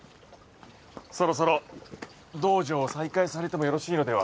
そろそろ道場を再開されてもよろしいのでは？